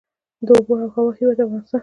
د اوبو او هوا هیواد افغانستان.